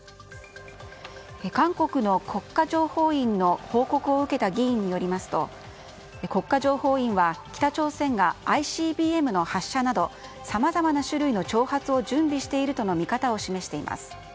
韓国の国家情報院の報告を受けた議員によりますと国家情報院は北朝鮮がＩＣＢＭの発射などさまざまな種類の挑発を準備しているとの見方を示しています。